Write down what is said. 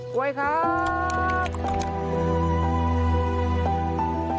กล้วยครับ